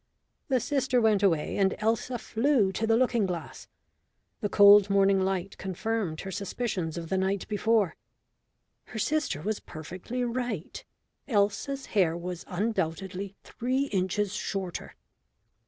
The sister went away, and Elsa flew to the looking glass. The cold morning light confirmed her suspicions of the night before. Her sister was perfectly right. Elsa's hair was undoubtedly three inches shorter.